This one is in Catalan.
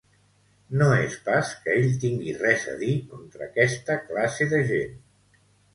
No és pas que ell tingui res a dir contra aquesta classe de gent.